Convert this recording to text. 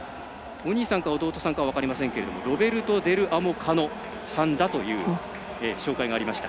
お兄さんか弟さんか分かりませんけどロベルト・デルアモカノさんだという紹介がありました。